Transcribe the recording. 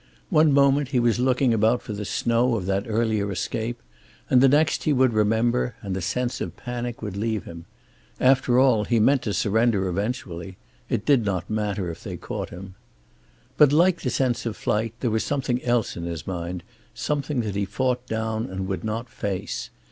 One moment he was looking about for the snow of that earlier escape, and the next he would remember, and the sense of panic would leave him. After all he meant to surrender eventually. It did not matter if they caught him. But, like the sense of flight, there was something else in his mind, something that he fought down and would not face.